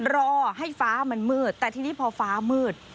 รอให้ฟ้ามันมืดแต่ทีนี้พอฟ้ามืด